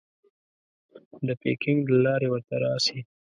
د پیکنګ له لارې ورته راسې.